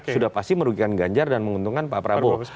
sudah pasti merugikan ganjar dan menguntungkan pak prabowo